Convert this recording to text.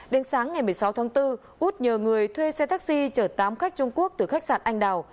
đến sáng ngày một mươi sáu tháng bốn út nhờ người thuê xe taxi chở tám khách trung quốc từ khách sạn anh đào